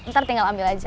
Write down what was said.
ntar tinggal ambil aja